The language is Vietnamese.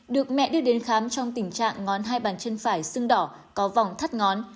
được mẹ đưa đến khám trong tình trạng ngón hai bàn chân phải sưng đỏ có vòng thắt ngón